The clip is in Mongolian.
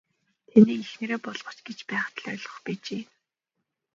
Таныг эхнэрээ болооч гэж байхад л ойлгох байжээ.